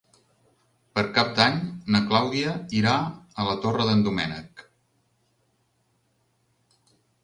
Per Cap d'Any na Clàudia irà a la Torre d'en Doménec.